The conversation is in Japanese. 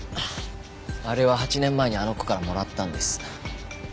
あれは８年前にあの子からもらったんです。